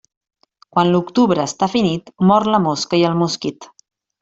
Quan l'octubre està finit, mor la mosca i el mosquit.